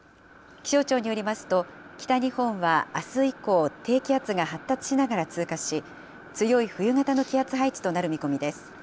気象庁によりますと、北日本はあす以降、低気圧が発達しながら通過し、強い冬型の気圧配置となる見込みです。